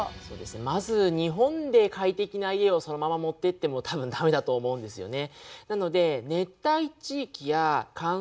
まず日本で快適な家をそのまま持っていってもたぶんダメだと思うんですよね。